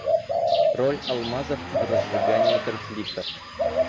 Роль алмазов в разжигании конфликтов.